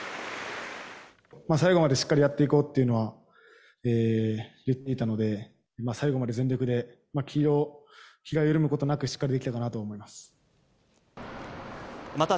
最後までしっかりやっていこうっていうのは言っていたので、最後まで全力で、気が緩むことなくしっかりできたかなと思います。